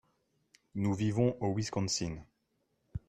Nous vivont au Wisconsin.